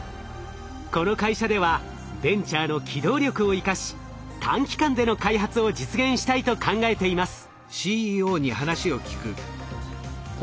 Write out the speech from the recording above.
この会社ではベンチャーの機動力を生かし短期間での開発を実現したいと考えています。